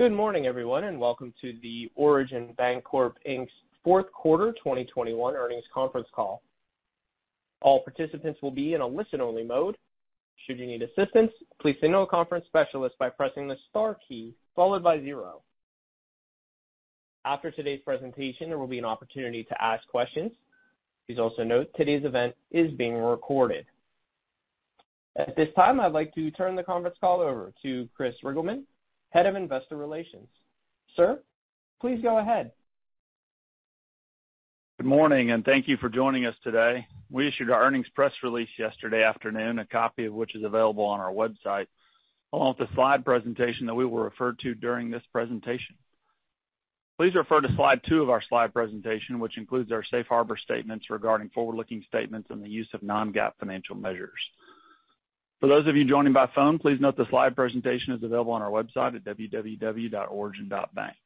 Good morning, everyone, and welcome to the Origin Bancorp, Inc.'s fourth quarter 2021 earnings conference call. All participants will be in a listen-only mode. Should you need assistance, please signal a conference specialist by pressing the star key followed by zero. After today's presentation, there will be an opportunity to ask questions. Please also note, today's event is being recorded. At this time, I'd like to turn the conference call over to Chris Reigelman, Head of Investor Relations. Sir, please go ahead. Good morning, and thank you for joining us today. We issued our earnings press release yesterday afternoon, a copy of which is available on our website, along with the slide presentation that we will refer to during this presentation. Please refer to slide 2 of our slide presentation, which includes our safe harbor statements regarding forward-looking statements and the use of non-GAAP financial measures. For those of you joining by phone, please note the slide presentation is available on our website at www.origin.bank.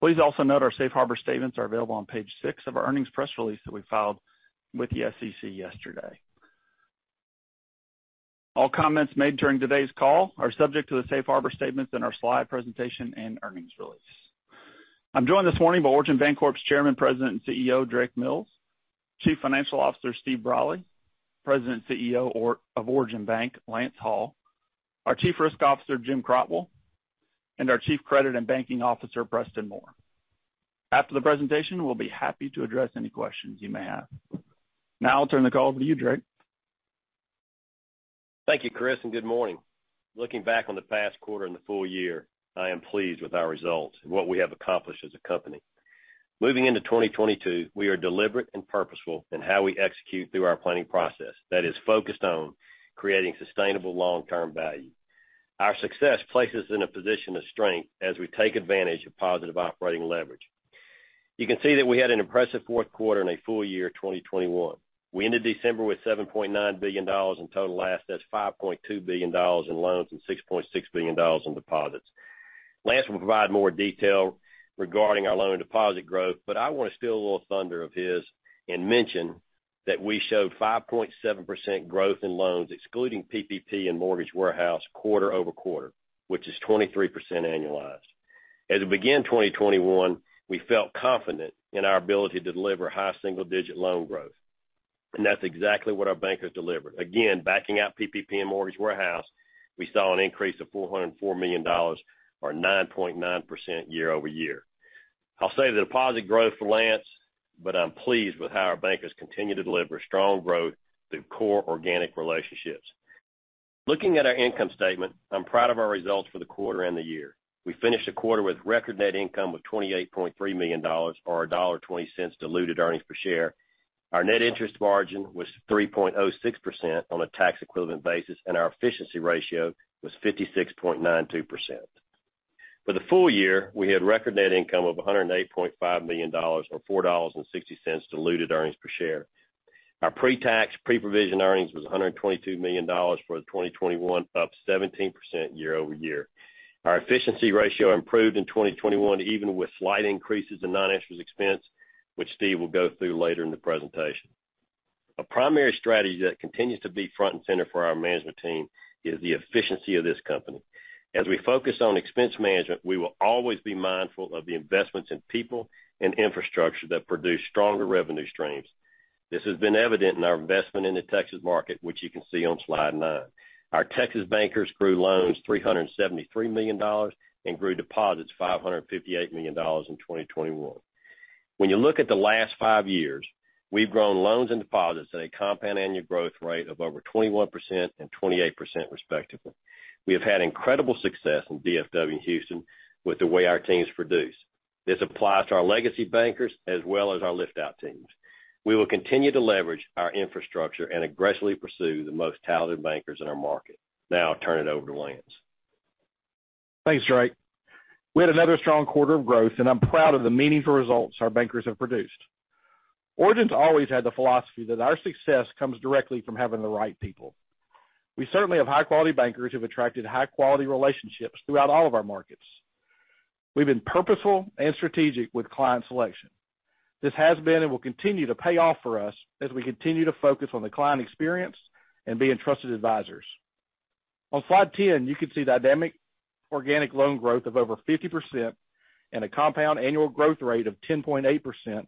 Please also note our safe harbor statements are available on page 6 of our earnings press release that we filed with the SEC yesterday. All comments made during today's call are subject to the safe harbor statements in our slide presentation and earnings release. I'm joined this morning by Origin Bancorp's Chairman, President, and CEO, Drake Mills, Chief Financial Officer, Steve Brolly, President and CEO of Origin Bank, Lance Hall, our Chief Risk Officer, Jim Crotwell, and our Chief Credit and Banking Officer, Preston Moore. After the presentation, we'll be happy to address any questions you may have. Now I'll turn the call over to you, Drake. Thank you, Chris, and good morning. Looking back on the past quarter and the full year, I am pleased with our results and what we have accomplished as a company. Moving into 2022, we are deliberate and purposeful in how we execute through our planning process that is focused on creating sustainable long-term value. Our success places in a position of strength as we take advantage of positive operating leverage. You can see that we had an impressive fourth quarter and a full year 2021. We ended December with $7.9 billion in total assets, $5.2 billion in loans, and $6.6 billion in deposits. Lance will provide more detail regarding our loan and deposit growth, but I wanna steal a little thunder of his and mention that we showed 5.7% growth in loans, excluding PPP and mortgage warehouse quarter-over-quarter, which is 23% annualized. As we began 2021, we felt confident in our ability to deliver high single-digit loan growth, and that's exactly what our bank has delivered. Again, backing out PPP and mortgage warehouse, we saw an increase of $404 million or 9.9% year-over-year. I'll save the deposit growth for Lance, but I'm pleased with how our bankers continue to deliver strong growth through core organic relationships. Looking at our income statement, I'm proud of our results for the quarter and the year. We finished the quarter with record net income of $28.3 million or $1.20 diluted earnings per share. Our net interest margin was 3.06% on a tax equivalent basis, and our efficiency ratio was 56.92%. For the full year, we had record net income of $108.5 million or $4.60 diluted earnings per share. Our pre-tax, pre-provision earnings was $122 million for 2021, up 17% year-over-year. Our efficiency ratio improved in 2021, even with slight increases in non-interest expense, which Steve will go through later in the presentation. A primary strategy that continues to be front and center for our management team is the efficiency of this company. As we focus on expense management, we will always be mindful of the investments in people and infrastructure that produce stronger revenue streams. This has been evident in our investment in the Texas market, which you can see on slide 9. Our Texas bankers grew loans $373 million and grew deposits $558 million in 2021. When you look at the last five years, we've grown loans and deposits at a compound annual growth rate of over 21% and 28% respectively. We have had incredible success in DFW Houston with the way our teams produce. This applies to our legacy bankers as well as our lift-out teams. We will continue to leverage our infrastructure and aggressively pursue the most talented bankers in our market. Now I'll turn it over to Lance. Thanks, Drake. We had another strong quarter of growth, and I'm proud of the meaningful results our bankers have produced. Origin's always had the philosophy that our success comes directly from having the right people. We certainly have high-quality bankers who've attracted high-quality relationships throughout all of our markets. We've been purposeful and strategic with client selection. This has been and will continue to pay off for us as we continue to focus on the client experience and being trusted advisors. On slide 10, you can see dynamic organic loan growth of over 50% and a compound annual growth rate of 10.8%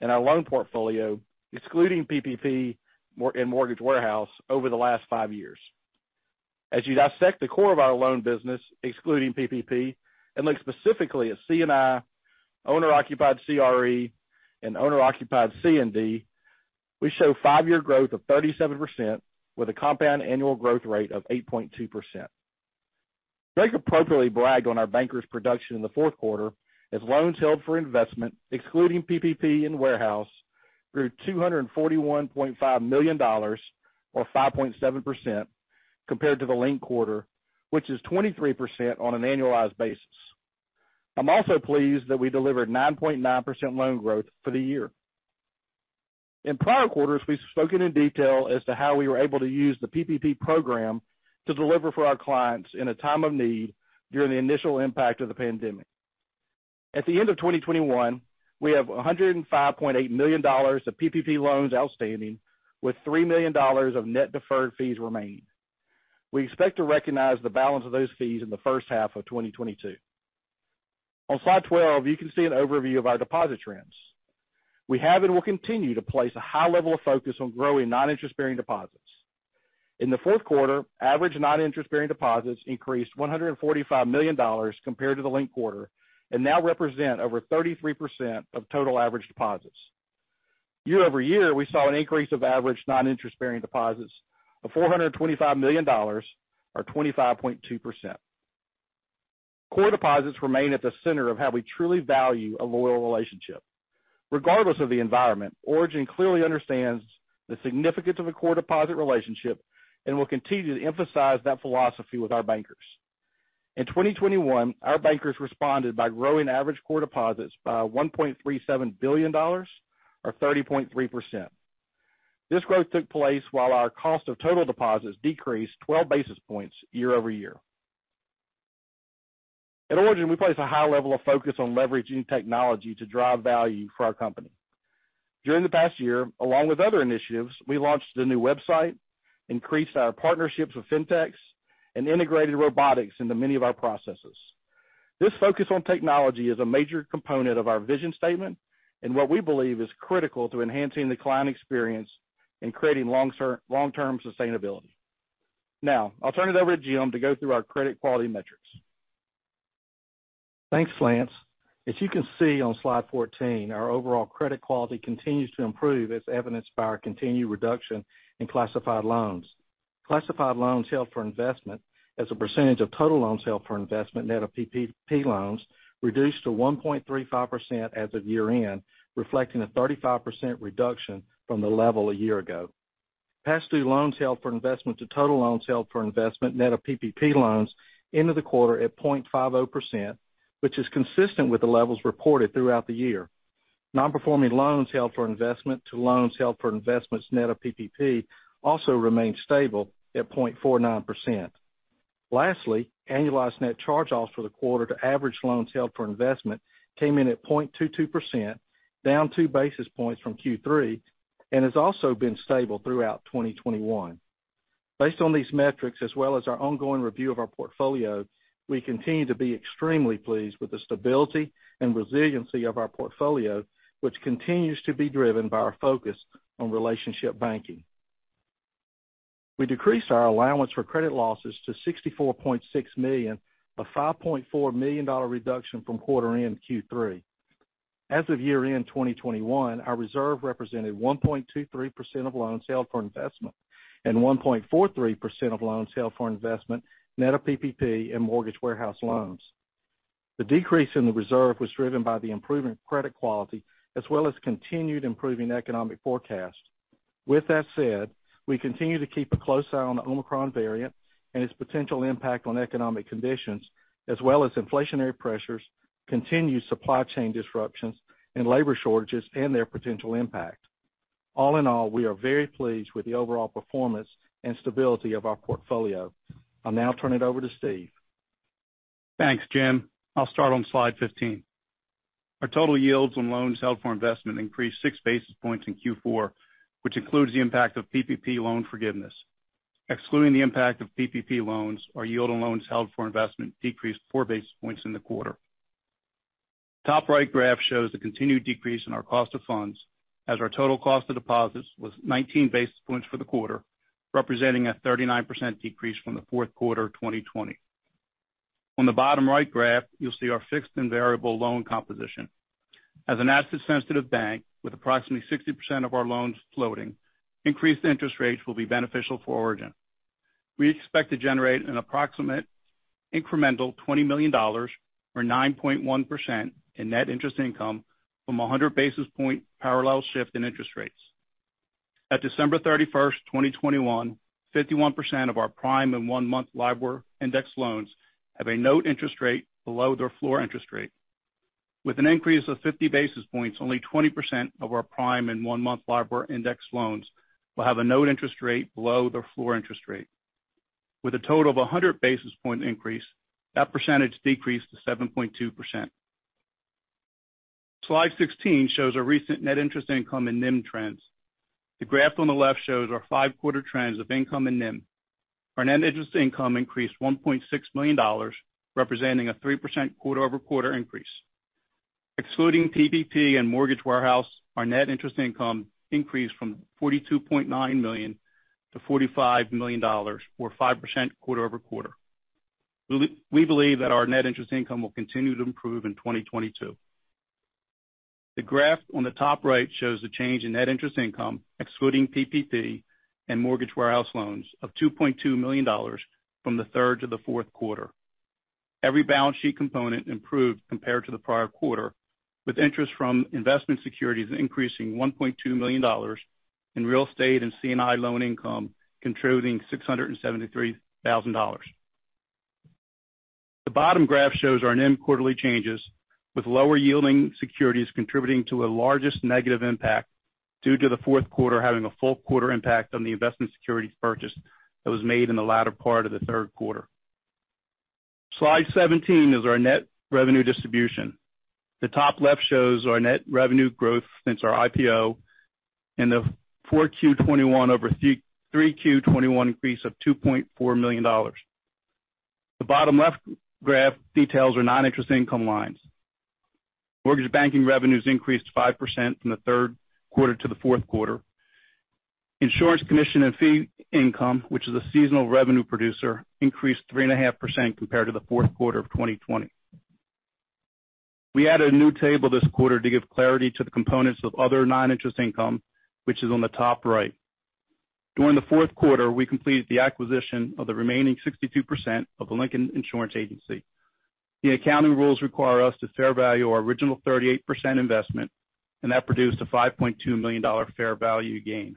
in our loan portfolio, excluding PPP and mortgage warehouse over the last 5 years. As you dissect the core of our loan business, excluding PPP, and look specifically at C&I, owner-occupied CRE, and owner-occupied C&D, we show five-year growth of 37% with a compound annual growth rate of 8.2%. Drake appropriately bragged on our bankers' production in the fourth quarter as loans held for investment, excluding PPP and warehouse, grew $241.5 million or 5.7% compared to the linked quarter, which is 23% on an annualized basis. I'm also pleased that we delivered 9.9% loan growth for the year. In prior quarters, we've spoken in detail as to how we were able to use the PPP program to deliver for our clients in a time of need during the initial impact of the pandemic. At the end of 2021, we have $105.8 million of PPP loans outstanding, with $3 million of net deferred fees remaining. We expect to recognize the balance of those fees in the first half of 2022. On slide 12, you can see an overview of our deposit trends. We have and will continue to place a high level of focus on growing noninterest-bearing deposits. In the fourth quarter, average noninterest-bearing deposits increased $145 million compared to the linked quarter and now represent over 33% of total average deposits. Year-over-year, we saw an increase of average non-interest-bearing deposits of $425 million or 25.2%. Core deposits remain at the center of how we truly value a loyal relationship. Regardless of the environment, Origin clearly understands the significance of a core deposit relationship and will continue to emphasize that philosophy with our bankers. In 2021, our bankers responded by growing average core deposits by $1.37 billion or 30.3%. This growth took place while our cost of total deposits decreased 12 basis points year-over-year. At Origin, we place a high level of focus on leveraging technology to drive value for our company. During the past year, along with other initiatives, we launched a new website, increased our partnerships with fintechs, and integrated robotics into many of our processes. This focus on technology is a major component of our vision statement and what we believe is critical to enhancing the client experience and creating long-term sustainability. Now, I'll turn it over to Jim to go through our credit quality metrics. Thanks, Lance. As you can see on slide 14, our overall credit quality continues to improve as evidenced by our continued reduction in classified loans. Classified loans held for investment as a percentage of total loans held for investment net of PPP loans reduced to 1.35% as of year-end, reflecting a 35% reduction from the level a year ago. Past due loans held for investment to total loans held for investment net of PPP loans ended the quarter at 0.50%, which is consistent with the levels reported throughout the year. Non-performing loans held for investment to loans held for investment net of PPP also remained stable at 0.49%. Lastly, annualized net charge-offs for the quarter to average loans held for investment came in at 0.22%, down 2 basis points from Q3, and has also been stable throughout 2021. Based on these metrics, as well as our ongoing review of our portfolio, we continue to be extremely pleased with the stability and resiliency of our portfolio, which continues to be driven by our focus on relationship banking. We decreased our allowance for credit losses to $64.6 million, a $5.4 million reduction from quarter-end Q3. As of year-end 2021, our reserve represented 1.23% of loans held for investment and 1.43% of loans held for investment net of PPP and mortgage warehouse loans. The decrease in the reserve was driven by the improvement of credit quality as well as continued improving economic forecast. With that said, we continue to keep a close eye on the Omicron variant and its potential impact on economic conditions, as well as inflationary pressures, continued supply chain disruptions and labor shortages and their potential impact. All in all, we are very pleased with the overall performance and stability of our portfolio. I'll now turn it over to Steve. Thanks, Jim. I'll start on slide 15. Our total yields on loans held for investment increased 6 basis points in Q4, which includes the impact of PPP loan forgiveness. Excluding the impact of PPP loans, our yield on loans held for investment decreased 4 basis points in the quarter. Top right graph shows the continued decrease in our cost of funds, as our total cost of deposits was 19 basis points for the quarter, representing a 39% decrease from the fourth quarter of 2020. On the bottom right graph, you'll see our fixed and variable loan composition. As an asset-sensitive bank with approximately 60% of our loans floating, increased interest rates will be beneficial for Origin. We expect to generate an approximate incremental $20 million or 9.1% in net interest income from a 100 basis point parallel shift in interest rates. At December 31, 2021, 51% of our prime in one-month LIBOR index loans have a note interest rate below their floor interest rate. With an increase of 50 basis points, only 20% of our prime in one-month LIBOR index loans will have a note interest rate below their floor interest rate. With a total of 100 basis point increase, that percentage decreased to 7.2%. Slide 16 shows our recent net interest income and NIM trends. The graph on the left shows our five-quarter trends of income and NIM. Our net interest income increased $1.6 million, representing a 3% quarter-over-quarter increase. Excluding PPP and mortgage warehouse, our net interest income increased from $42.9 million to $45 million, or 5% quarter-over-quarter. We believe that our net interest income will continue to improve in 2022. The graph on the top right shows the change in net interest income, excluding PPP and mortgage warehouse loans, of $2.2 million from the third to the fourth quarter. Every balance sheet component improved compared to the prior quarter, with interest from investment securities increasing $1.2 million and real estate and C&I loan income contributing $673,000. The bottom graph shows our NIM quarterly changes, with lower yielding securities contributing to the largest negative impact due to the fourth quarter having a full quarter impact on the investment securities purchase that was made in the latter part of the third quarter. Slide 17 is our net revenue distribution. The top left shows our net revenue growth since our IPO and the 4Q 2021 over 3Q 2021 increase of $2.4 million. The bottom left graph details our non-interest income lines. Mortgage banking revenues increased 5% from the third quarter to the fourth quarter. Insurance commission and fee income, which is a seasonal revenue producer, increased 3.5% compared to the fourth quarter of 2020. We added a new table this quarter to give clarity to the components of other non-interest income, which is on the top right. During the fourth quarter, we completed the acquisition of the remaining 62% of The Lincoln Agency. The accounting rules require us to fair value our original 38% investment, and that produced a $5.2 million fair value gain.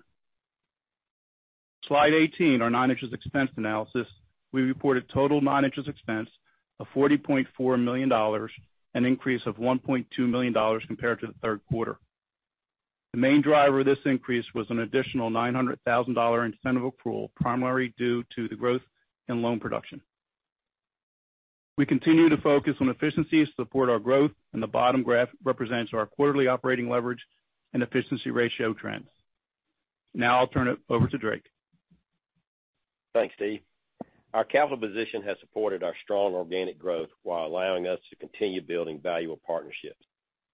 Slide 18, our non-interest expense analysis, we reported total non-interest expense of $40.4 million, an increase of $1.2 million compared to the third quarter. The main driver of this increase was an additional $900,000 incentive accrual, primarily due to the growth in loan production. We continue to focus on efficiencies to support our growth, and the bottom graph represents our quarterly operating leverage and efficiency ratio trends. Now, I'll turn it over to Drake. Thanks, Steve. Our capital position has supported our strong organic growth while allowing us to continue building valuable partnerships.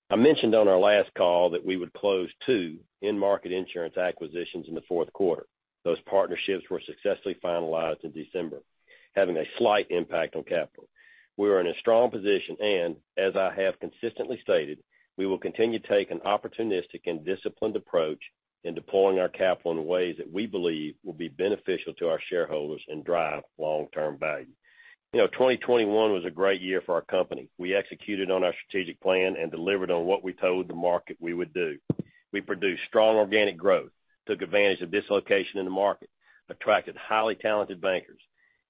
I mentioned on our last call that we would close two end-market insurance acquisitions in the fourth quarter. Those partnerships were successfully finalized in December, having a slight impact on capital. We are in a strong position, and as I have consistently stated, we will continue to take an opportunistic and disciplined approach in deploying our capital in ways that we believe will be beneficial to our shareholders and drive long-term value. You know, 2021 was a great year for our company. We executed on our strategic plan and delivered on what we told the market we would do. We produced strong organic growth, took advantage of dislocation in the market, attracted highly talented bankers,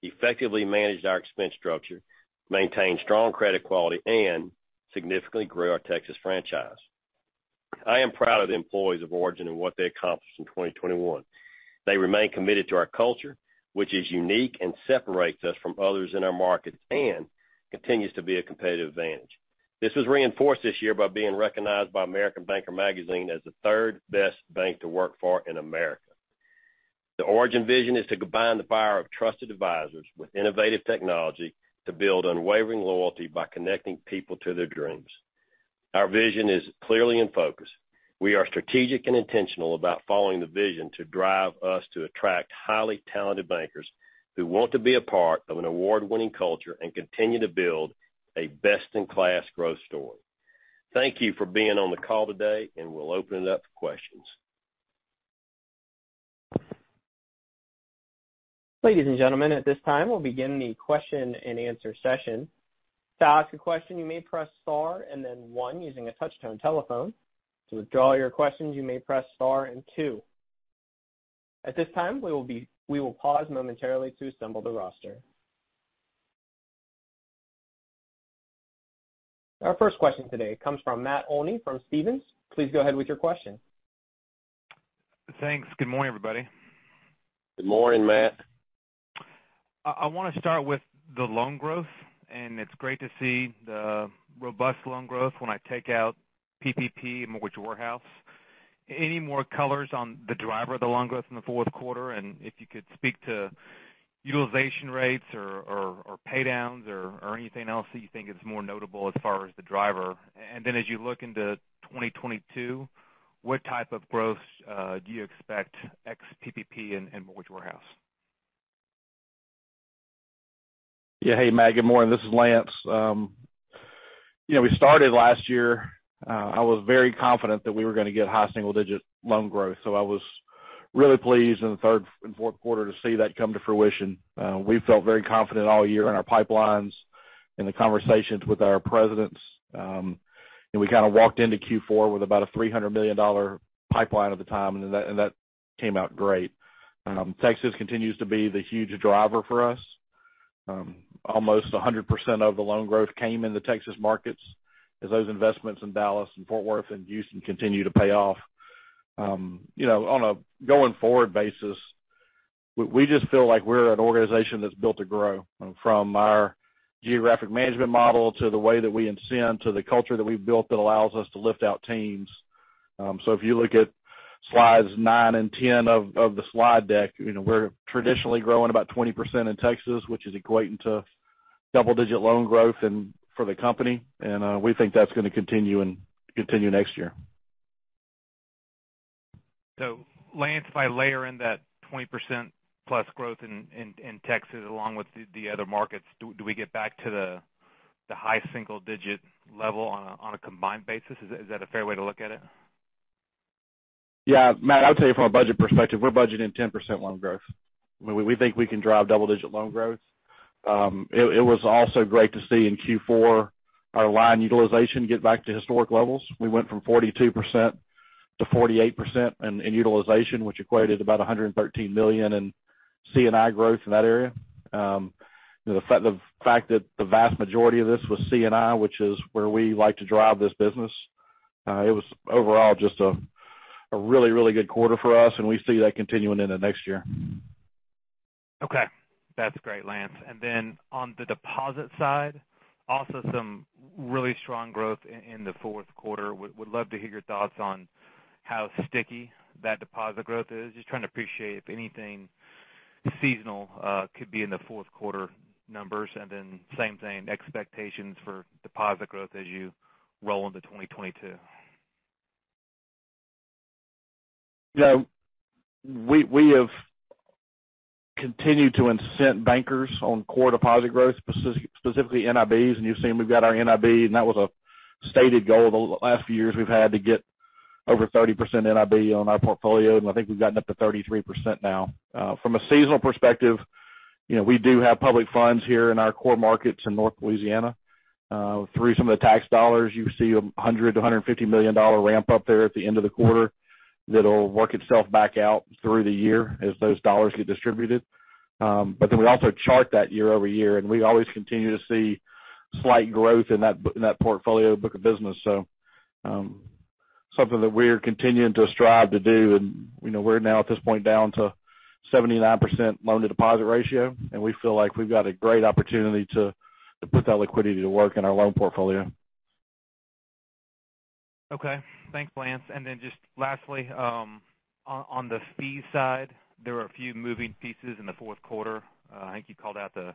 effectively managed our expense structure, maintained strong credit quality, and significantly grew our Texas franchise. I am proud of the employees of Origin and what they accomplished in 2021. They remain committed to our culture, which is unique and separates us from others in our markets and continues to be a competitive advantage. This was reinforced this year by being recognized by American Banker Magazine as the third best bank to work for in America. The Origin vision is to combine the power of trusted advisors with innovative technology to build unwavering loyalty by connecting people to their dreams. Our vision is clearly in focus. We are strategic and intentional about following the vision to drive us to attract highly talented bankers who want to be a part of an award-winning culture and continue to build a best-in-class growth story. Thank you for being on the call today, and we'll open it up for questions. Ladies and gentlemen, at this time, we'll begin the question-and-answer session. To ask a question, you may press star and then one using a touch-tone telephone. To withdraw your questions, you may press star and two. At this time, we will pause momentarily to assemble the roster. Our first question today comes from Matt Olney from Stephens. Please go ahead with your question. Thanks. Good morning, everybody. Good morning, Matt. I wanna start with the loan growth, and it's great to see the robust loan growth when I take out PPP and Mortgage Warehouse. Any more colors on the driver of the loan growth in the fourth quarter? If you could speak to utilization rates or pay downs or anything else that you think is more notable as far as the driver. Then as you look into 2022, what type of growth do you expect ex PPP and Mortgage Warehouse? Yeah. Hey, Matt, good morning. This is Lance. You know, we started last year, I was very confident that we were gonna get high single-digit loan growth, so I was really pleased in the third and fourth quarter to see that come to fruition. We felt very confident all year in our pipelines, in the conversations with our presidents, and we kind of walked into Q4 with about a $300 million pipeline at the time, and that came out great. Texas continues to be the huge driver for us. Almost 100% of the loan growth came in the Texas markets as those investments in Dallas and Fort Worth and Houston continue to pay off. You know, on a going forward basis, we just feel like we're an organization that's built to grow, from our geographic management model to the way that we incent to the culture that we've built that allows us to lift out teams. If you look at slides 9 and 10 of the slide deck, you know, we're traditionally growing about 20% in Texas, which is equating to double-digit loan growth for the company, and we think that's gonna continue next year. Lance, if I layer in that 20% plus growth in Texas along with the other markets, do we get back to the high single digit level on a combined basis? Is that a fair way to look at it? Yeah. Matt, I'll tell you from a budget perspective, we're budgeting 10% loan growth. We think we can drive double-digit loan growth. It was also great to see in Q4 our line utilization get back to historic levels. We went from 42%-48% in utilization, which equated about $113 million in C&I growth in that area. The fact that the vast majority of this was C&I, which is where we like to drive this business, it was overall just a really good quarter for us, and we see that continuing into next year. Okay. That's great, Lance. On the deposit side, also some really strong growth in the fourth quarter. Would love to hear your thoughts on how sticky that deposit growth is. Just trying to appreciate if anything seasonal could be in the fourth quarter numbers. Same thing, expectations for deposit growth as you roll into 2022. We have continued to incent bankers on core deposit growth, specifically NIBs. You've seen we've got our NIB, and that was a stated goal the last few years. We've had to get over 30% NIB on our portfolio, and I think we've gotten up to 33% now. From a seasonal perspective, you know, we do have public funds here in our core markets in North Louisiana. Through some of the tax dollars, you see a $100 million-$150 million ramp up there at the end of the quarter that'll work itself back out through the year as those dollars get distributed. We also chart that year-over-year, and we always continue to see slight growth in that portfolio book of business. Something that we're continuing to strive to do. You know, we're now at this point, down to 79% loan to deposit ratio, and we feel like we've got a great opportunity to put that liquidity to work in our loan portfolio. Okay. Thanks, Lance. Just lastly, on the fee side, there were a few moving pieces in the fourth quarter. I think you called out the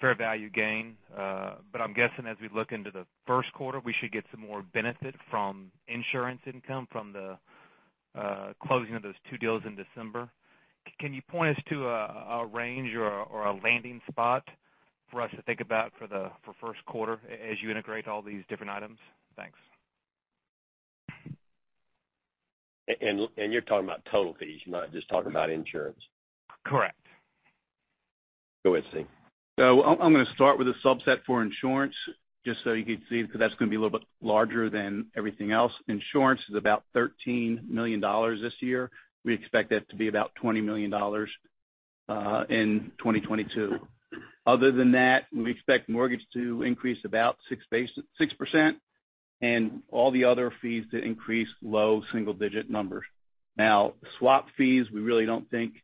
fair value gain. I'm guessing as we look into the first quarter, we should get some more benefit from insurance income from the closing of those two deals in December. Can you point us to a range or a landing spot for us to think about for the first quarter as you integrate all these different items? Thanks. You're talking about total fees, you're not just talking about insurance? Correct. Go ahead, Steve. I'm gonna start with a subset for insurance, just so you can see, because that's gonna be a little bit larger than everything else. Insurance is about $13 million this year. We expect that to be about $20 million in 2022. Other than that, we expect mortgage to increase about 6% and all the other fees to increase low single digit numbers. Now, swap fees, we really don't think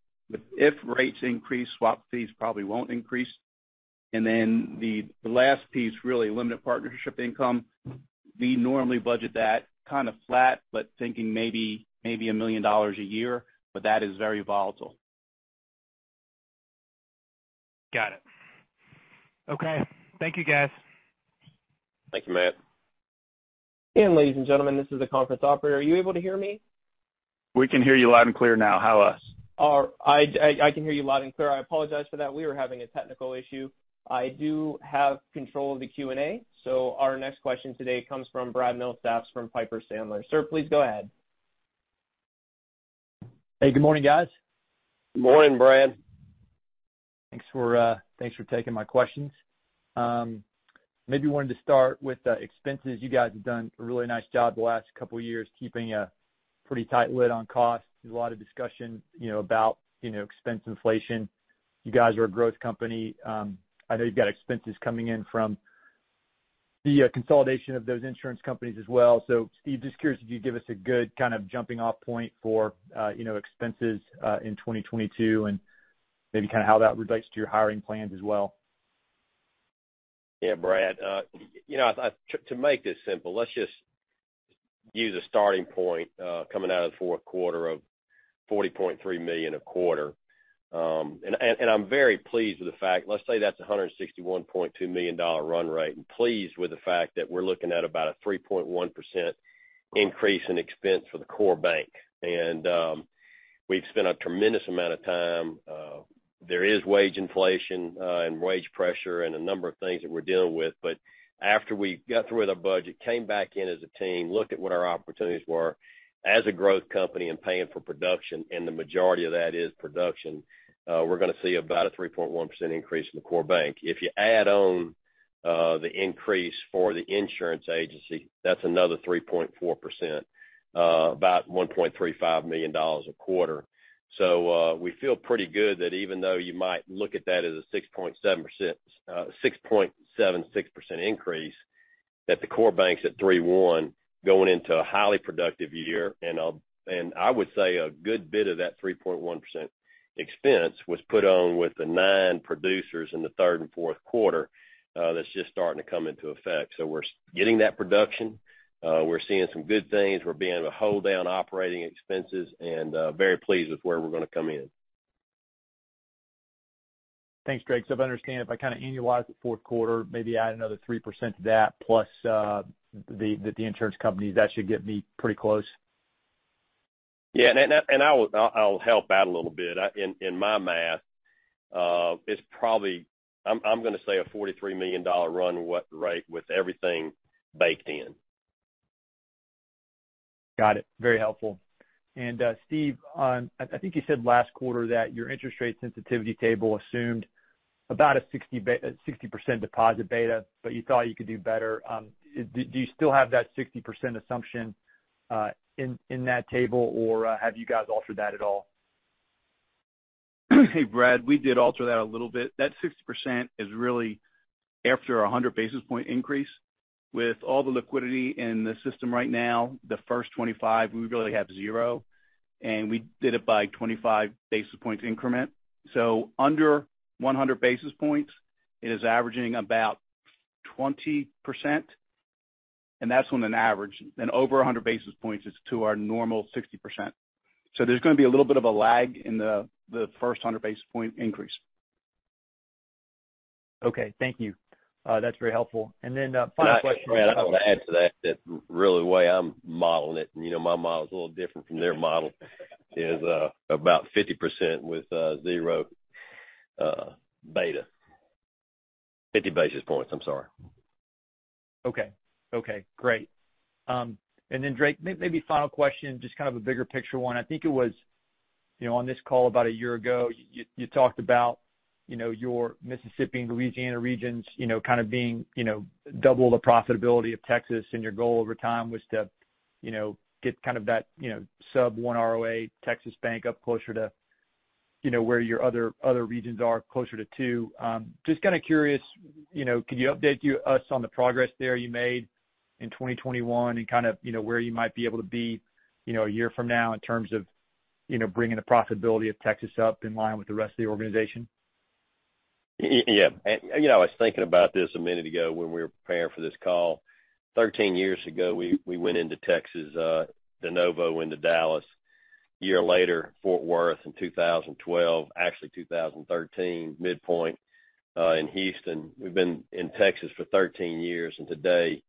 if rates increase, swap fees probably won't increase. Then the last piece, really, limited partnership income, we normally budget that kind of flat, but thinking maybe $1 million a year. But that is very volatile. Got it. Okay. Thank you, guys. Thank you, Matt. And ladies and gentlemen, this is the conference operator. Are you able to hear me? We can hear you loud and clear now. How about us? Oh, I can hear you loud and clear. I apologize for that. We were having a technical issue. I do have control of the Q&A. Our next question today comes from Brad Milsaps from Piper Sandler. Sir, please go ahead. Hey, good morning, guys. Good morning, Brad. Thanks for taking my questions. Maybe wanted to start with expenses. You guys have done a really nice job the last couple of years, keeping a pretty tight lid on costs. There's a lot of discussion, you know, about, you know, expense inflation. You guys are a growth company. I know you've got expenses coming in from the consolidation of those insurance companies as well. Steve, just curious if you'd give us a good kind of jumping off point for, you know, expenses in 2022 and maybe kind of how that relates to your hiring plans as well. Yeah, Brad. You know, to make this simple, let's just use a starting point, coming out of the fourth quarter of $40.3 million a quarter. I'm very pleased with the fact, let's say that's a $161.2 million run rate. I'm pleased with the fact that we're looking at about a 3.1% increase in expense for the core bank. We've spent a tremendous amount of time. There is wage inflation, and wage pressure and a number of things that we're dealing with. After we got through with our budget, came back in as a team, looked at what our opportunities were as a growth company and paying for production, and the majority of that is production, we're gonna see about a 3.1% increase in the core bank. If you add on, the increase for the insurance agency, that's another 3.4%, about $1.35 million a quarter. We feel pretty good that even though you might look at that as a 6.76% increase, the core bank's at 3.1% going into a highly productive year. I would say a good bit of that 3.1% expense was put on with the 9 producers in the third and fourth quarter. That's just starting to come into effect. We're getting that production. We're seeing some good things. We're being able to hold down operating expenses and very pleased with where we're gonna come in. Thanks, Drake. If I understand, if I kind of annualize the fourth quarter, maybe add another 3% to that, plus the insurance companies, that should get me pretty close? I'll help out a little bit. In my math, it's probably. I'm gonna say a $43 million run rate with everything baked in. Got it. Very helpful. Steve, I think you said last quarter that your interest rate sensitivity table assumed about a 60% deposit beta, but you thought you could do better. Do you still have that 60% assumption in that table, or have you guys altered that at all? Hey, Brad, we did alter that a little bit. That 60% is really after a 100 basis point increase. With all the liquidity in the system right now, the first 25, we really have zero, and we did it by 25 basis points increment. Under 100 basis points, it is averaging about 20%, and that's on an average. Over a 100 basis points, it's to our normal 60%. There's gonna be a little bit of a lag in the first 100 basis point increase. Okay. Thank you. That's very helpful. Final question. Brad, I wanna add to that really the way I'm modeling it, and, you know, my model is a little different from their model, is about 50% with zero beta. 50 basis points, I'm sorry. Okay, great. Drake, maybe final question, just kind of a bigger picture one. I think it was, you know, on this call about a year ago, you talked about, you know, your Mississippi and Louisiana regions, you know, kind of being, you know, double the profitability of Texas, and your goal over time was to, you know, get kind of that, you know, sub-1% ROA Texas bank up closer to, you know, where your other regions are, closer to 2%. Just kinda curious, you know, can you update us on the progress there you made in 2021 and kind of, you know, where you might be able to be, you know, a year from now in terms of, you know, bringing the profitability of Texas up in line with the rest of the organization? Yeah. You know, I was thinking about this a minute ago when we were preparing for this call. 13 years ago, we went into Texas de novo into Dallas. A year later, Fort Worth. In 2012, actually 2013, midpoint in Houston. We've been in Texas for 13 years, and today,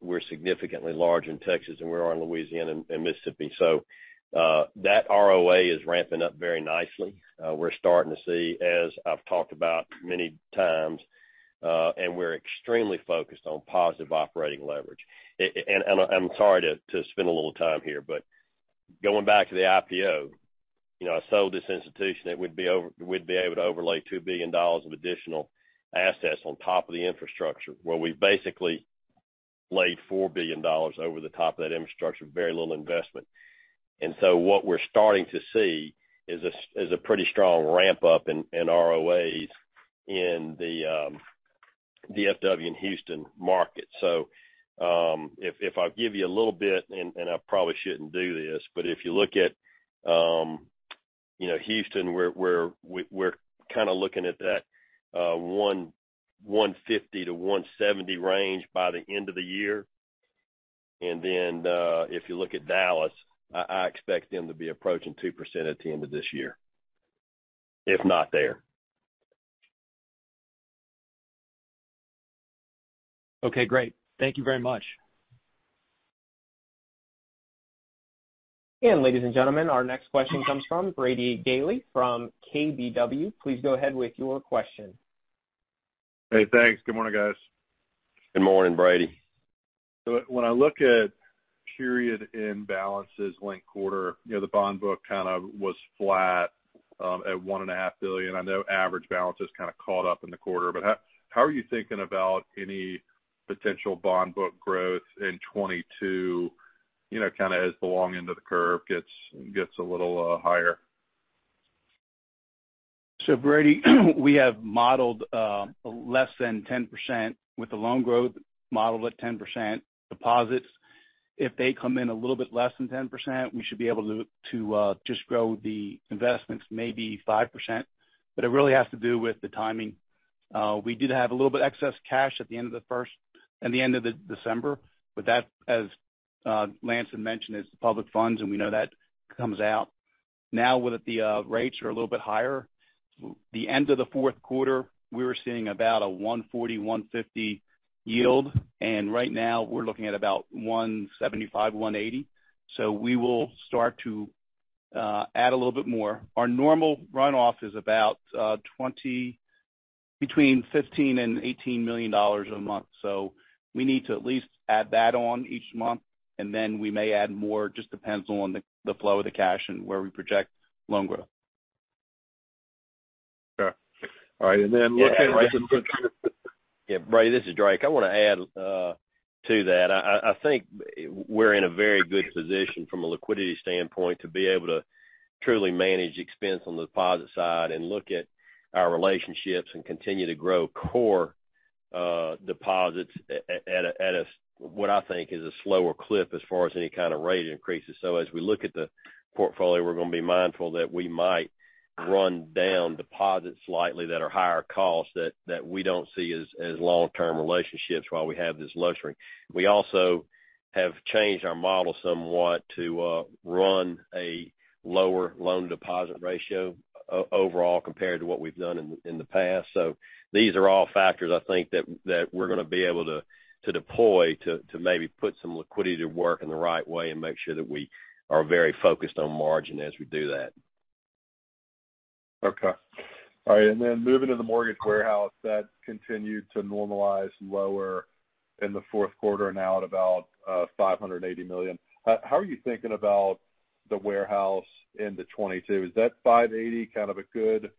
we're significantly larger in Texas than we are in Louisiana and Mississippi. That ROA is ramping up very nicely. We're starting to see, as I've talked about many times, and we're extremely focused on positive operating leverage. I’m sorry to spend a little time here, but going back to the IPO, you know, I sold this institution that we’d be able to overlay $2 billion of additional assets on top of the infrastructure, where we’ve basically laid $4 billion over the top of that infrastructure, very little investment. What we’re starting to see is a pretty strong ramp-up in ROAs in the DFW and Houston market. If I give you a little bit, and I probably shouldn’t do this, but if you look at, you know, Houston, we’re kinda looking at that 1.50%-1.70% range by the end of the year. If you look at Dallas, I expect them to be approaching 2% at the end of this year, if not there. Okay, great. Thank you very much. Ladies and gentlemen, our next question comes from Brady Gailey from KBW. Please go ahead with your question. Hey, thanks. Good morning, guys. Good morning, Brady. When I look at period end balances linked quarter, you know, the bond book kind of was flat at $1.5 billion. I know average balance is kind of caught up in the quarter. How are you thinking about any potential bond book growth in 2022, you know, kind of as the long end of the curve gets a little higher? Brady, we have modeled less than 10% with the loan growth modeled at 10%. Deposits, if they come in a little bit less than 10%, we should be able to just grow the investments maybe 5%. It really has to do with the timing. We did have a little bit excess cash at the end of December, but that, as Lance had mentioned, is the public funds, and we know that comes out. Now, with the rates a little bit higher, at the end of the fourth quarter, we were seeing about a 1.40%-1.50% yield, and right now we're looking at about a 1.75%-1.80%. We will start to add a little bit more. Our normal runoff is about between $15 million-$18 million dollars a month. We need to at least add that on each month, and then we may add more, just depends on the flow of the cash and where we project loan growth. Sure. All right, Yeah, Brady, this is Drake. I wanna add to that. I think we're in a very good position from a liquidity standpoint to be able to truly manage expense on the deposit side and look at our relationships and continue to grow core deposits at a what I think is a slower clip as far as any kind of rate increases. As we look at the portfolio, we're gonna be mindful that we might run down deposits slightly that are higher cost that we don't see as long-term relationships while we have this luxury. We also have changed our model somewhat to run a lower loan deposit ratio overall compared to what we've done in the past. These are all factors I think that we're gonna be able to deploy, to maybe put some liquidity to work in the right way and make sure that we are very focused on margin as we do that. Moving to the mortgage warehouse, that continued to normalize lower in the fourth quarter, now at about $580 million. How are you thinking about the warehouse into 2022? Is that $580 million kind of a good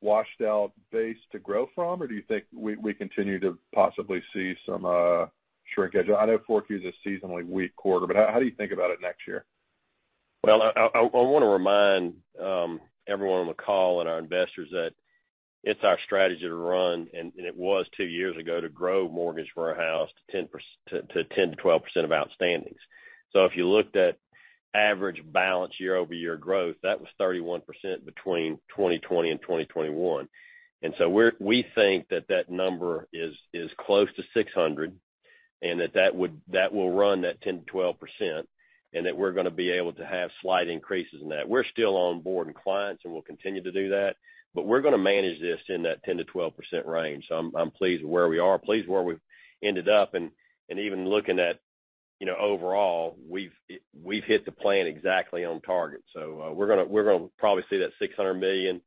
washed out base to grow from? Or do you think we continue to possibly see some shrinkage? I know 4Q is a seasonally weak quarter, but how do you think about it next year? I want to remind everyone on the call and our investors that it's our strategy to run, and it was two years ago, to grow mortgage warehouse to 10%-12% of outstandings. If you looked at average balance year-over-year growth, that was 31% between 2020 and 2021. We think that number is close to $600 million, and that will run that 10%-12%, and that we're gonna be able to have slight increases in that. We're still onboarding clients, and we'll continue to do that. We're gonna manage this in that 10%-12% range. I'm pleased with where we are, pleased with where we've ended up. Even looking at, you know, overall, we've hit the plan exactly on target. We're gonna probably see that $600 million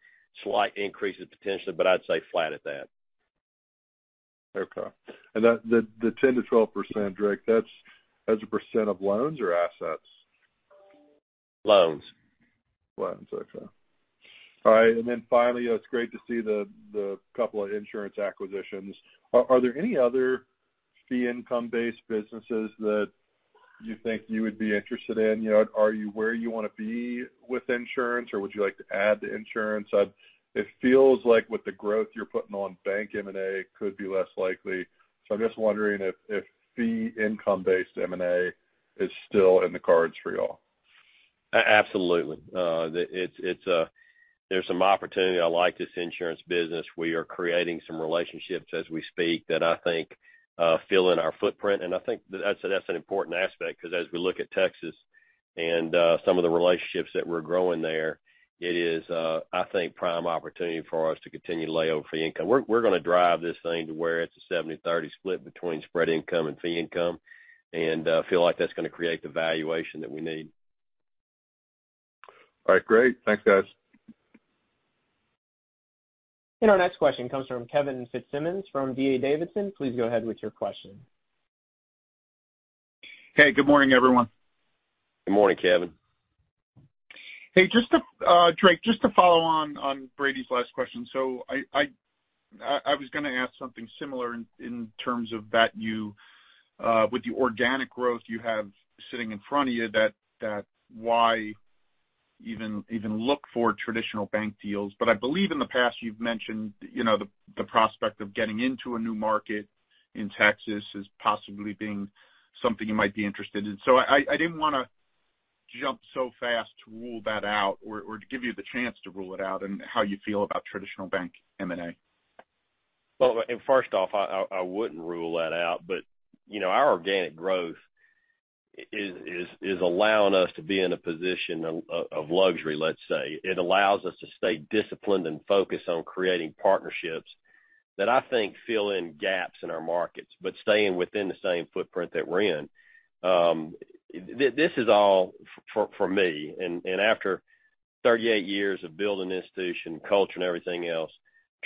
slight increase potentially, but I'd say flat at that. Okay. That, the 10%-12%, Drake, that's as a percent of loans or assets? Loans. Loans. Okay. All right. Finally, it's great to see the couple of insurance acquisitions. Are there any other fee income-based businesses that you think you would be interested in? You know, are you where you wanna be with insurance, or would you like to add to insurance? It feels like with the growth you're putting on bank M&A, it could be less likely. I'm just wondering if fee income-based M&A is still in the cards for y'all. Absolutely. There's some opportunity. I like this insurance business. We are creating some relationships as we speak that I think fill in our footprint. I think that's an important aspect because as we look at Texas and some of the relationships that we're growing there, it is, I think, prime opportunity for us to continue to lay out fee income. We're gonna drive this thing to where it's a 70%-30% split between spread income and fee income and feel like that's gonna create the valuation that we need. All right. Great. Thanks, guys. Our next question comes from Kevin Fitzsimmons from D.A. Davidson. Please go ahead with your question. Hey, good morning, everyone. Good morning, Kevin. Hey, just to Drake, just to follow on Brady's last question. I was gonna ask something similar in terms of that you with the organic growth you have sitting in front of you, that why even look for traditional bank deals. I believe in the past, you've mentioned, you know, the prospect of getting into a new market in Texas as possibly being something you might be interested in. I didn't wanna jump so fast to rule that out or to give you the chance to rule it out and how you feel about traditional bank M&A. Well, first off, I wouldn't rule that out. You know, our organic growth is allowing us to be in a position of luxury, let's say. It allows us to stay disciplined and focused on creating partnerships that I think fill in gaps in our markets, but staying within the same footprint that we're in. This is all for me, and after 38 years of building institution, culture, and everything else,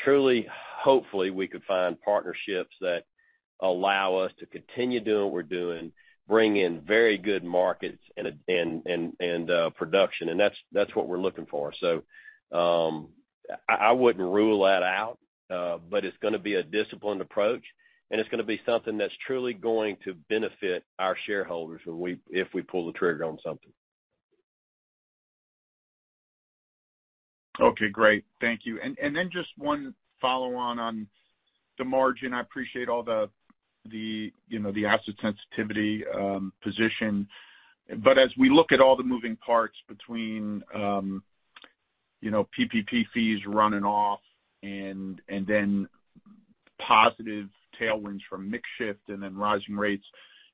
truly, hopefully, we could find partnerships that allow us to continue doing what we're doing, bring in very good markets and production. That's what we're looking for. I wouldn't rule that out, but it's gonna be a disciplined approach, and it's gonna be something that's truly going to benefit our shareholders when we if we pull the trigger on something. Okay, great. Thank you. Just one follow-on on the margin. I appreciate all the you know, the asset sensitivity position. As we look at all the moving parts between you know, PPP fees running off and then positive tailwinds from mix shift and then rising rates,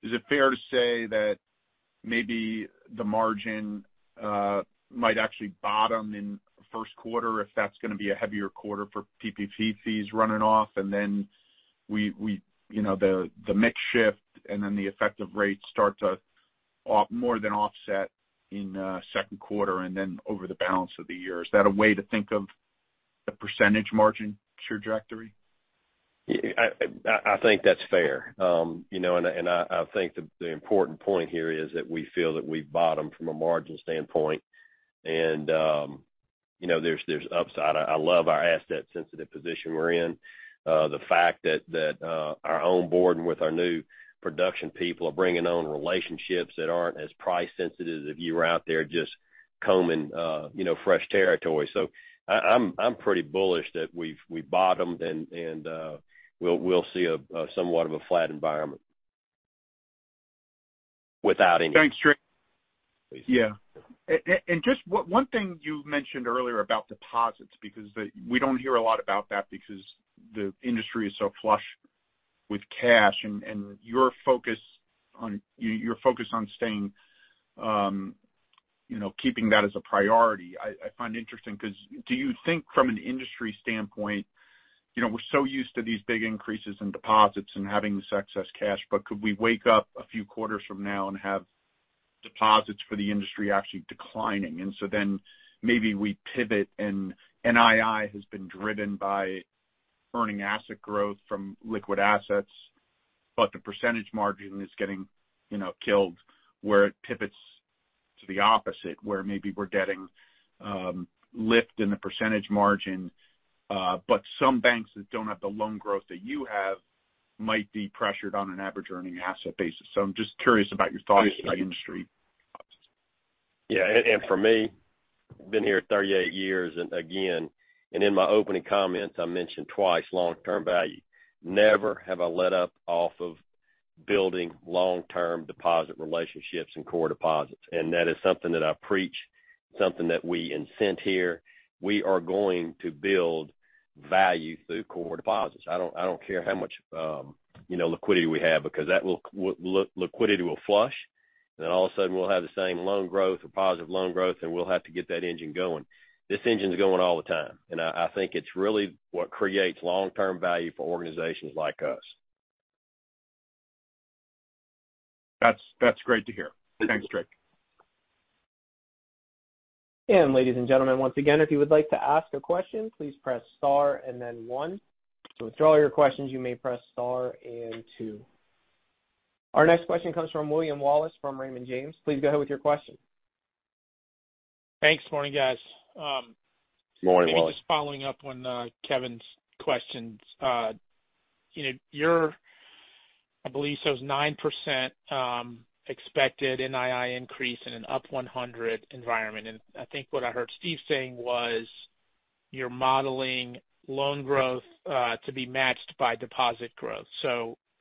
is it fair to say that maybe the margin might actually bottom in first quarter if that's gonna be a heavier quarter for PPP fees running off, and then we you know, the mix shift and then the effective rates start to more than offset in second quarter and then over the balance of the year? Is that a way to think of the percentage margin trajectory? I think that's fair. You know, I think the important point here is that we feel that we've bottomed from a margin standpoint. You know, there's upside. I love our asset sensitive position we're in. The fact that our own board with our new production people are bringing on relationships that aren't as price sensitive as if you were out there just combing you know, fresh territory. I'm pretty bullish that we've bottomed and we'll see a somewhat of a flat environment without any- Thanks, Drake. Please. Yeah. Just one thing you mentioned earlier about deposits, because we don't hear a lot about that because the industry is so flush with cash and your focus on staying, you know, keeping that as a priority. I find interesting because do you think from an industry standpoint, you know, we're so used to these big increases in deposits and having this excess cash, but could we wake up a few quarters from now and have deposits for the industry actually declining. Maybe we pivot and NII has been driven by earning asset growth from liquid assets, but the percentage margin is getting, you know, killed, where it pivots to the opposite, where maybe we're getting lift in the percentage margin. Some banks that don't have the loan growth that you have might be pressured on an average earning asset basis. I'm just curious about your thoughts about industry deposits. Yeah. For me, I've been here 38 years, and again, in my opening comments, I mentioned twice long-term value. Never have I let up off of building long-term deposit relationships and core deposits. That is something that I preach, something that we incent here. We are going to build value through core deposits. I don't care how much, you know, liquidity we have because liquidity will flush, then all of a sudden we'll have the same loan growth or positive loan growth, and we'll have to get that engine going. This engine is going all the time, and I think it's really what creates long-term value for organizations like us. That's great to hear. Thanks, Drake. Ladies and gentlemen, once again, if you would like to ask a question, please press star and then one. To withdraw your questions, you may press star and two. Our next question comes from William Wallace from Raymond James. Please go ahead with your question. Thanks. Morning, guys. Morning, Wally. Maybe just following up on Kevin's questions. You know, your, I believe, so it's 9% expected NII increase in an up 100 basis point environment. I think what I heard Steve saying was, you're modeling loan growth to be matched by deposit growth.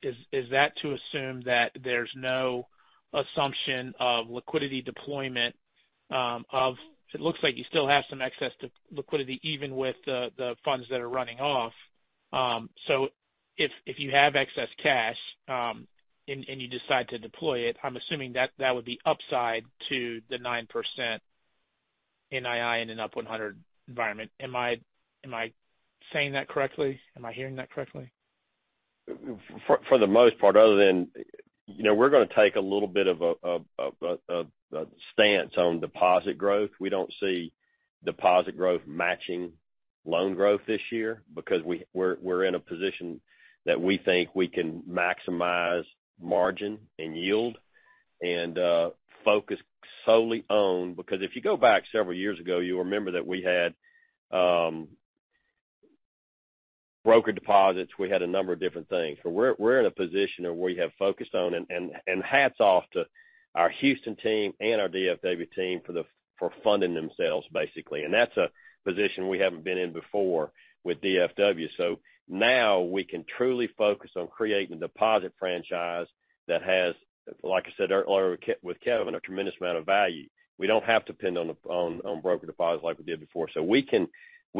Is that to assume that there's no assumption of liquidity deployment. It looks like you still have some excess liquidity even with the funds that are running off. If you have excess cash and you decide to deploy it, I'm assuming that that would be upside to the 9% NII in an up 100 basis point environment. Am I saying that correctly? Am I hearing that correctly? For the most part, other than, you know, we're gonna take a little bit of a stance on deposit growth. We don't see deposit growth matching loan growth this year because we're in a position that we think we can maximize margin and yield and focus solely on creating a deposit franchise that has value. If you go back several years ago, you'll remember that we had broker deposits. We had a number of different things. But we're in a position where we have focused on, hats off to our Houston team and our DFW team for funding themselves, basically. That's a position we haven't been in before with DFW. Now we can truly focus on creating a deposit franchise that has, like I said earlier with Kevin, a tremendous amount of value. We don't have to depend on broker deposits like we did before. We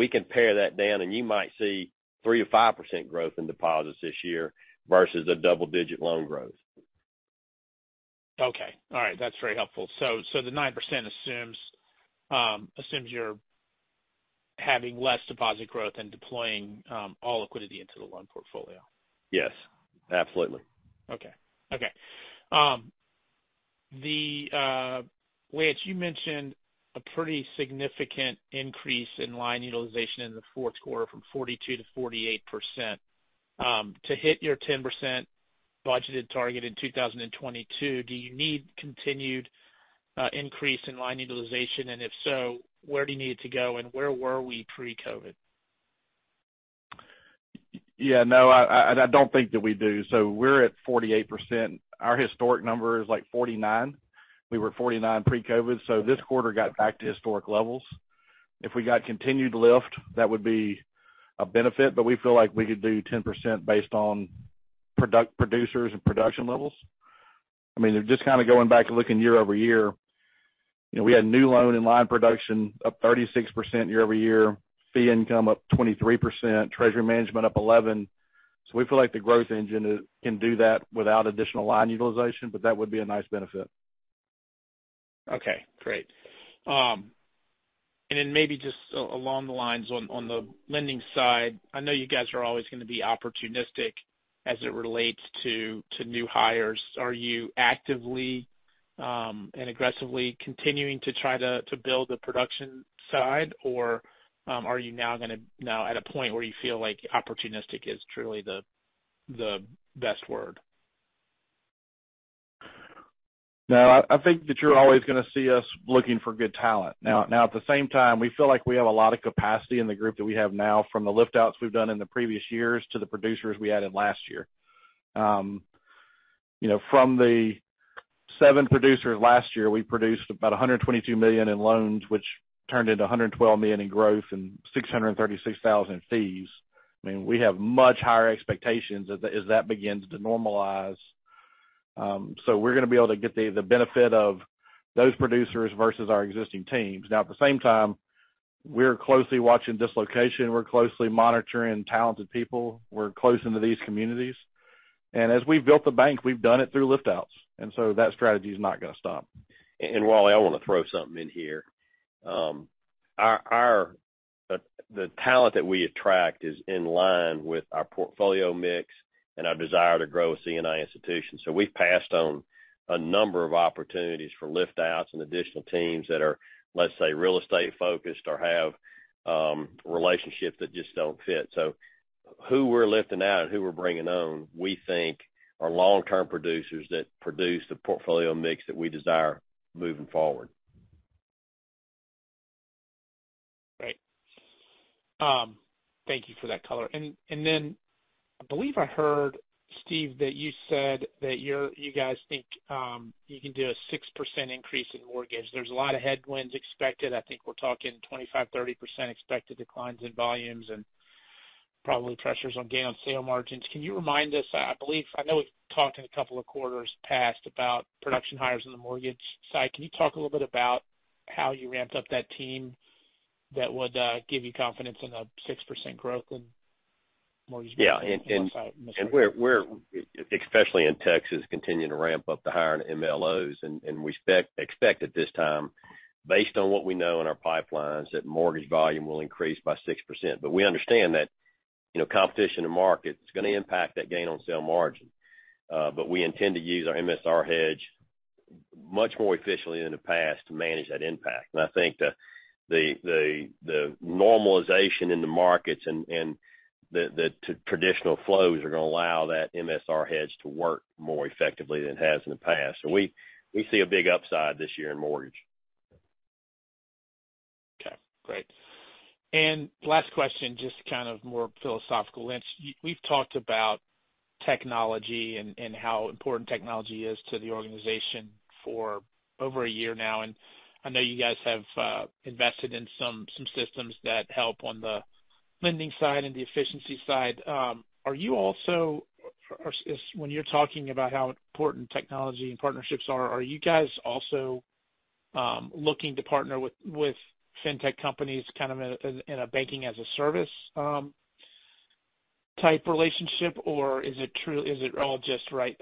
can pare that down, and you might see 3%-5% growth in deposits this year versus a double-digit loan growth. Okay. All right. That's very helpful. The 9% assumes you're having less deposit growth and deploying all liquidity into the loan portfolio. Yes, absolutely. Drake, you mentioned a pretty significant increase in line utilization in the fourth quarter from 42%-48%. To hit your 10% budgeted target in 2022, do you need continued increase in line utilization? If so, where do you need it to go, and where were we pre-COVID? Yeah. No, I don't think that we do. We're at 48%. Our historic number is like 49% pre-COVID. This quarter got back to historic levels. If we got continued lift, that would be a benefit, but we feel like we could do 10% based on product producers and production levels. I mean, just kinda going back and looking year-over-year. You know, we had new loan in line production up 36% year-over-year, fee income up 23%, treasury management up 11%. We feel like the growth engine can do that without additional line utilization, but that would be a nice benefit. Okay, great. Maybe just along the lines on the lending side, I know you guys are always gonna be opportunistic as it relates to new hires. Are you actively and aggressively continuing to try to build the production side, or are you now at a point where you feel like opportunistic is truly the best word? No. I think that you're always gonna see us looking for good talent. Now, at the same time, we feel like we have a lot of capacity in the group that we have now from the lift outs we've done in the previous years to the producers we added last year. You know, from the seven producers last year, we produced about $122 million in loans, which turned into $112 million in growth and $636,000 in fees. I mean, we have much higher expectations as that begins to normalize. So we're gonna be able to get the benefit of those producers versus our existing teams. Now, at the same time, we're closely watching dislocation. We're closely monitoring talented people. We're close into these communities. As we've built the bank, we've done it through lift outs, and that strategy is not gonna stop. Wally, I wanna throw something in here. The talent that we attract is in line with our portfolio mix and our desire to grow a C&I institution. We've passed on a number of opportunities for lift outs and additional teams that are, let's say, real estate-focused or have relationships that just don't fit. Who we're lifting out and who we're bringing on, we think are long-term producers that produce the portfolio mix that we desire moving forward. Great. Thank you for that color. Then I believe I heard, Steve, that you said that you guys think you can do a 6% increase in mortgage. There's a lot of headwinds expected. I think we're talking 25%-30% expected declines in volumes and probably pressures on gain on sale margins. Can you remind us? I believe I know we've talked in a couple of quarters past about production hires in the mortgage side. Can you talk a little bit about how you ramped up that team that would give you confidence in a 6% growth in mortgage. Yeah, we're especially in Texas continuing to ramp up the hiring of MLOs, and we expect at this time, based on what we know in our pipelines, that mortgage volume will increase by 6%. We understand that, you know, competition in markets is going to impact that gain on sale margin. We intend to use our MSR hedge much more efficiently than the past to manage that impact. I think the normalization in the markets and the traditional flows are going to allow that MSR hedge to work more effectively than it has in the past. We see a big upside this year in mortgage. Okay, great. Last question, just kind of more philosophical. Lance, we've talked about technology and how important technology is to the organization for over a year now, and I know you guys have invested in some systems that help on the lending side and the efficiency side. Are you also, when you're talking about how important technology and partnerships are you guys also looking to partner with fintech companies kind of in a banking-as-a-service type relationship? Or is it truly, is it all just right?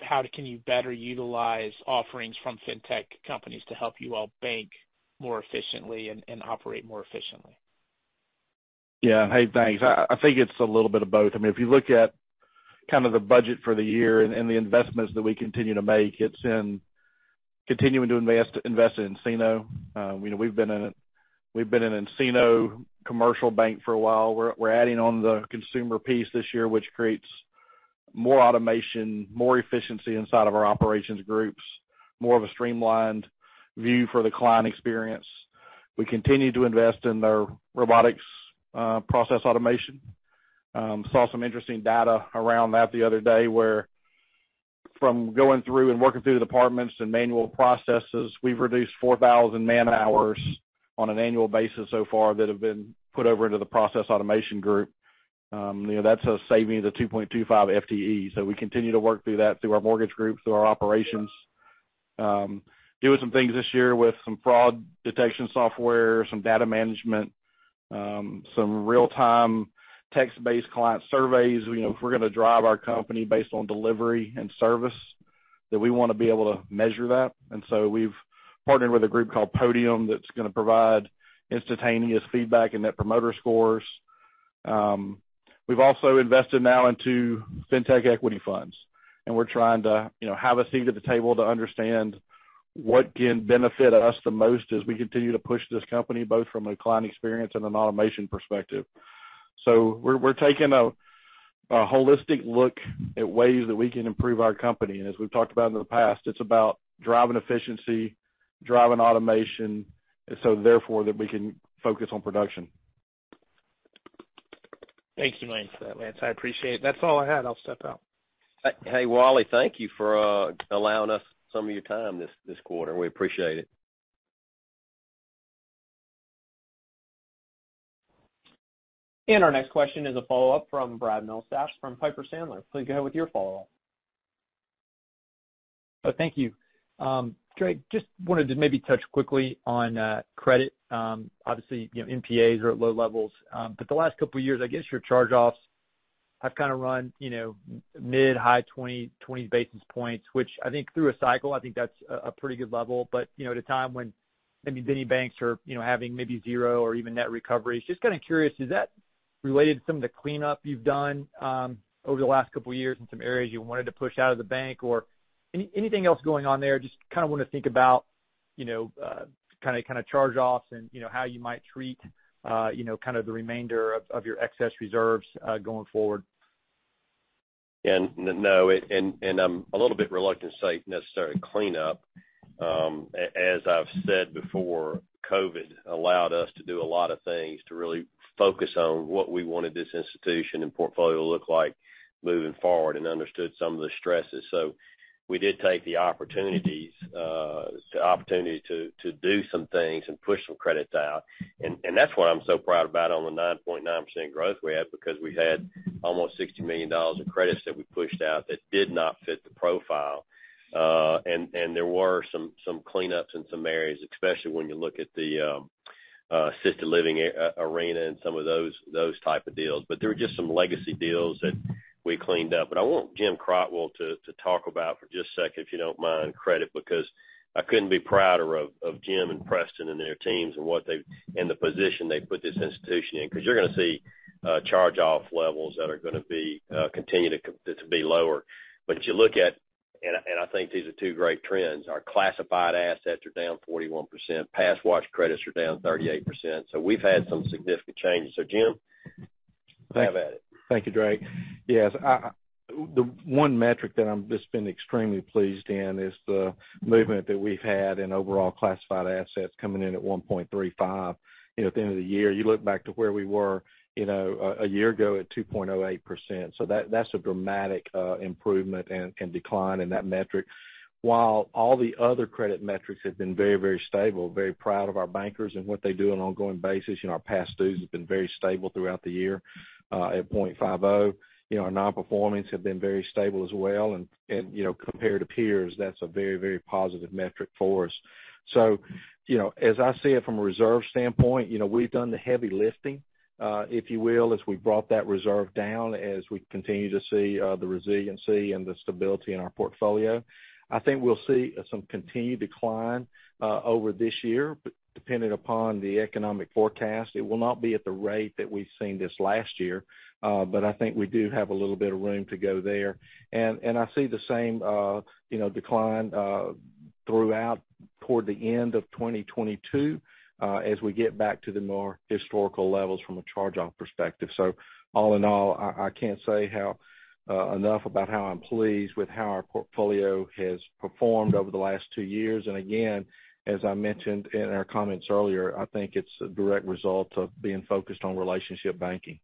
How can you better utilize offerings from fintech companies to help you all bank more efficiently and operate more efficiently? Yeah. Hey, thanks. I think it's a little bit of both. I mean, if you look at kind of the budget for the year and the investments that we continue to make, it's in continuing to invest in nCino. You know, we've been an nCino commercial bank for a while. We're adding on the consumer piece this year, which creates more automation, more efficiency inside of our operations groups, more of a streamlined view for the client experience. We continue to invest in their robotics process automation. Saw some interesting data around that the other day, where from going through and working through the departments and manual processes, we've reduced 4,000 man-hours on an annual basis so far that have been put over into the process automation group. You know, that's saving the 2.25 FTE. We continue to work through that through our mortgage group, through our operations. Doing some things this year with some fraud detection software, some data management, some real-time text-based client surveys. You know, if we're going to drive our company based on delivery and service, then we want to be able to measure that. We've partnered with a group called Podium that's going to provide instantaneous feedback and net promoter scores. We've also invested now into fintech equity funds, and we're trying to, you know, have a seat at the table to understand what can benefit us the most as we continue to push this company, both from a client experience and an automation perspective. We're taking a holistic look at ways that we can improve our company. As we've talked about in the past, it's about driving efficiency, driving automation, so therefore that we can focus on production. Thank you, Lance. Lance, I appreciate it. That's all I had. I'll step out. Hey, Wally, thank you for allowing us some of your time this quarter. We appreciate it. Our next question is a follow-up from Brad Milsaps from Piper Sandler. Please go ahead with your follow-up. Oh, thank you. Drake, just wanted to maybe touch quickly on credit. Obviously, you know, NPAs are at low levels, but the last couple of years, I guess your charge-offs have kind of run, you know, mid, high 20 basis points, which I think through a cycle, I think that's a pretty good level. You know, at a time when maybe many banks are, you know, having maybe zero or even net recoveries. Just kind of curious, is that related to some of the cleanup you've done over the last couple of years in some areas you wanted to push out of the bank or anything else going on there? Just kind of want to think about, you know, kind of charge-offs and, you know, how you might treat, you know, kind of the remainder of your excess reserves, going forward. I'm a little bit reluctant to say necessarily cleanup. As I've said before, COVID allowed us to do a lot of things to really focus on what we wanted this institution and portfolio to look like moving forward and understood some of the stresses. We did take the opportunity to do some things and push some credits out. That's what I'm so proud about on the 9.9% growth we had because we had almost $60 million of credits that we pushed out that did not fit the profile. There were some cleanups in some areas, especially when you look at the assisted living arena and some of those type of deals. There were just some legacy deals that we cleaned up. I want Jim Crotwell to talk about for just a second, if you don't mind, credit, because I couldn't be prouder of Jim and Preston and their teams and what they've and the position they've put this institution in. 'Cause you're gonna see charge-off levels that are gonna continue to be lower. You look at, I think these are two great trends, our classified assets are down 41%, pass watch credits are down 38%. We've had some significant changes. Jim, have at it. Thank you, Drake. Yes, I, the one metric that I'm just been extremely pleased in is the movement that we've had in overall classified assets coming in at 1.35%, you know, at the end of the year. You look back to where we were, you know, a year ago at 2.08%. That's a dramatic improvement and decline in that metric. While all the other credit metrics have been very, very stable, very proud of our bankers and what they do on an ongoing basis. You know, our past dues have been very stable throughout the year at 0.50%. You know, our non-performance have been very stable as well. You know, compared to peers, that's a very, very positive metric for us. You know, as I see it from a reserve standpoint, you know, we've done the heavy lifting, if you will, as we brought that reserve down, as we continue to see the resiliency and the stability in our portfolio. I think we'll see some continued decline over this year, but depending upon the economic forecast, it will not be at the rate that we've seen this last year, but I think we do have a little bit of room to go there. I see the same, you know, decline throughout toward the end of 2022, as we get back to the more historical levels from a charge-off perspective. All in all, I can't say enough about how I'm pleased with how our portfolio has performed over the last two years. Again, as I mentioned in our comments earlier, I think it's a direct result of being focused on relationship banking.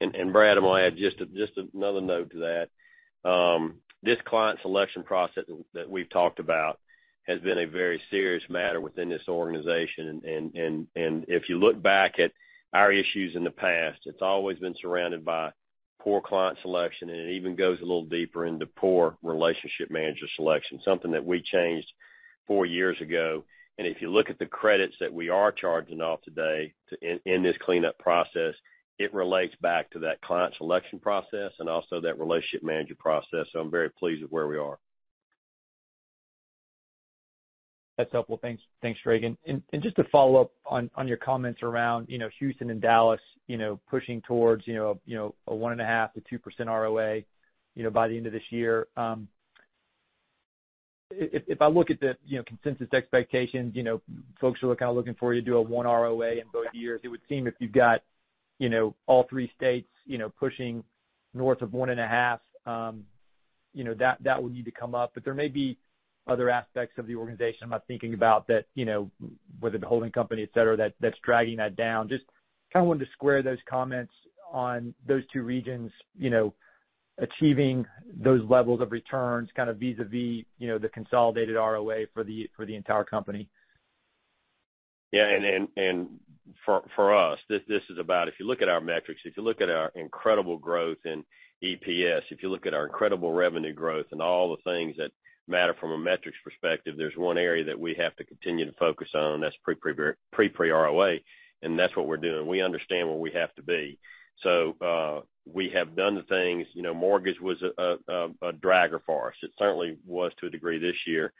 Brad Milsaps, I might add another note to that. This client selection process that we've talked about has been a very serious matter within this organization. If you look back at our issues in the past, it's always been surrounded by poor client selection, and it even goes a little deeper into poor relationship manager selection, something that we changed four years ago. If you look at the credits that we are charging off today in this cleanup process, it relates back to that client selection process and also that relationship manager process. I'm very pleased with where we are. That's helpful. Thanks, Drake. Just to follow up on your comments around, you know, Houston and Dallas, you know, pushing towards, you know, a 1.5%-2% ROA by the end of this year. If I look at the, you know, consensus expectations, you know, folks are kind of looking for you to do a 1% ROA in both years. It would seem if you've got, you know, all three states, you know, pushing north of 1.5%, you know, that would need to come up. There may be other aspects of the organization I'm not thinking about that, you know, whether the holding company, et cetera, that's dragging that down. Just kind of wanted to square those comments on those two regions, you know, achieving those levels of returns, kind of vis-a-vis, you know, the consolidated ROA for the entire company. For us, this is about if you look at our metrics, if you look at our incredible growth in EPS, if you look at our incredible revenue growth and all the things that matter from a metrics perspective, there's one area that we have to continue to focus on, and that's pre-tax, pre-provision ROA, and that's what we're doing. We understand where we have to be. We have done the things. You know, mortgage was a dragger for us. It certainly was to a degree this year.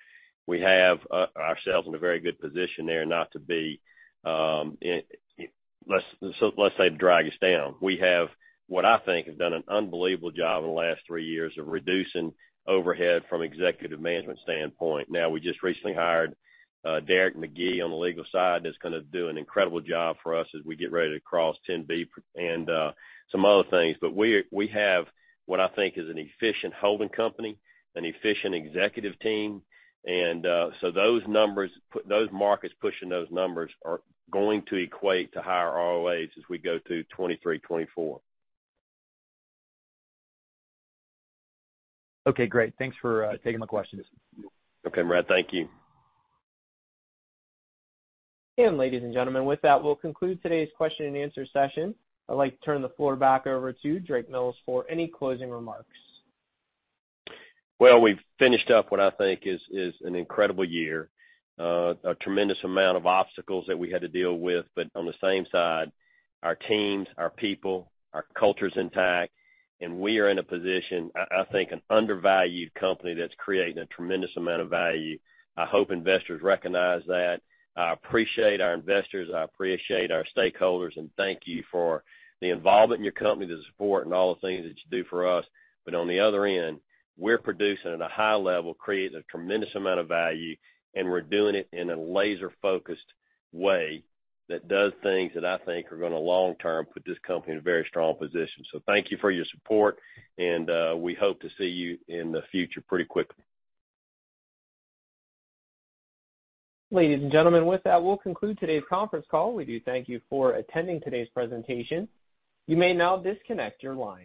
We have ourselves in a very good position there not to drag us down. We have done an unbelievable job in the last three years of reducing overhead from executive management standpoint. Now, we just recently hired Derek McGee on the legal side. That's gonna do an incredible job for us as we get ready to cross $10 billion and some other things. We have what I think is an efficient holding company, an efficient executive team, and so those numbers, those markets pushing those numbers are going to equate to higher ROAs as we go through 2023, 2024. Okay, great. Thanks for taking my questions. Okay, Brad. Thank you. Ladies and gentlemen, with that, we'll conclude today's question and answer session. I'd like to turn the floor back over to Drake Mills for any closing remarks. Well, we've finished up what I think is an incredible year. A tremendous amount of obstacles that we had to deal with, but on the same side, our teams, our people, our culture's intact, and we are in a position, I think an undervalued company that's creating a tremendous amount of value. I hope investors recognize that. I appreciate our investors, I appreciate our stakeholders, and thank you for the involvement in your company, the support, and all the things that you do for us. On the other end, we're producing at a high level, creating a tremendous amount of value, and we're doing it in a laser-focused way that does things that I think are gonna long term put this company in a very strong position. Thank you for your support and, we hope to see you in the future pretty quickly. Ladies and gentlemen, with that, we'll conclude today's conference call. We do thank you for attending today's presentation. You may now disconnect your line.